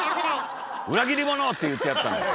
「裏切り者！」って言ってやったんですよ。